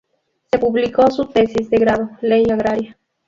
Se publicó su tesis de grado, Ley Agraria.